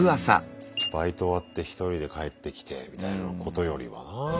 バイト終わって１人で帰ってきてみたいなことよりはなぁ。